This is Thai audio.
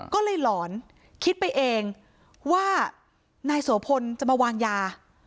ก็เลยหลอนคิดไปเองว่านายโสพลจะมาวางยา